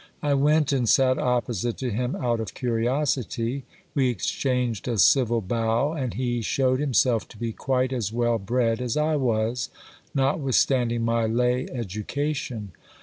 I went and sat opposite to him out of curiosity ; we exchanged a civil bow, and he shewed himself to be quite as well bred as I was, notwithstanding my lay education.